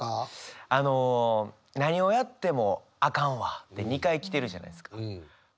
あの「なにをやってもあかんわ」って２回来てるじゃないですか。